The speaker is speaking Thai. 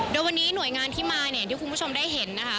โดยวันนี้หน่วยงานที่มาเนี่ยที่คุณผู้ชมได้เห็นนะคะ